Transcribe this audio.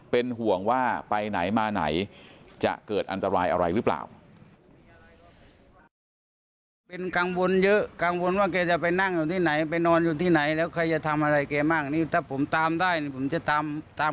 เป็นห่วงว่าไปไหนมาไหนจะเกิดอันตรายอะไรหรือเปล่า